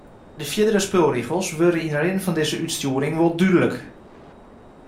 De fierdere spulrigels wurde yn de rin fan dizze útstjoering wol dúdlik.